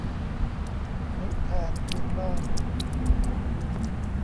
นิทานพื้นบ้าน